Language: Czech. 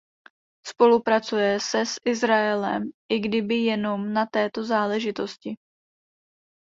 Spolupracuje se s Izraelem, i kdyby jenom na této záležitosti?